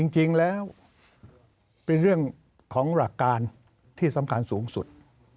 จริงแล้วเป็นเรื่องของหลักการที่สำคัญสูงสุด